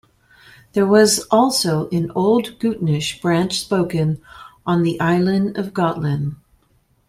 There was also an Old Gutnish branch spoken on the island of Gotland.